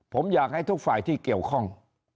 ผมอยากให้ทุกฝ่ายที่เกี่ยวข้อง